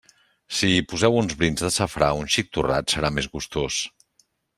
Si hi poseu uns brins de safrà un xic torrat, serà més gustós.